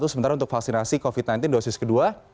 sebenarnya untuk vaksinasi covid sembilan belas dosis ke dua